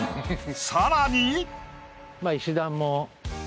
さらに。